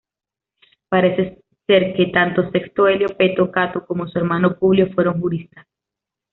Parece ser que tanto Sexto Elio Peto Cato como su hermano Publio fueron juristas.